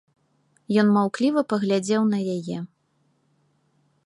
Ён маўкліва паглядзеў на яе.